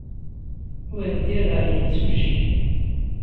Ur ddiɣ ɣer yimsujji.